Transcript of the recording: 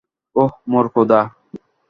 ওহ মোর খোদা!